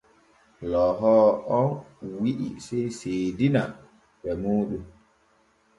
Loohoowo o wi’i sey seedina ɓe muuɗum.